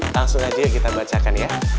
langsung aja kita bacakan ya